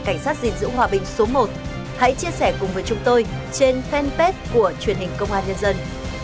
cảnh sát gìn giữ hòa bình số một hãy chia sẻ cùng với chúng tôi trên fanpage của truyền hình công an nhân dân